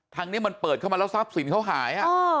ทางนี้มันเปิดเข้ามาแล้วทรัพย์สินเขาหาย